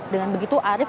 dengan begitu arief